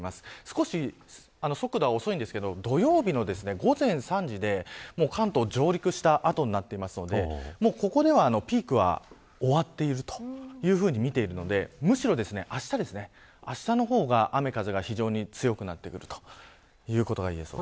少し速度は遅いんですけど土曜日の午前３時で関東上陸した後になっているのでここでは、ピークは終わっているというふうに見ているのでむしろ、あしたあしたの方が雨風が非常に強くなってくるということが言えそうです。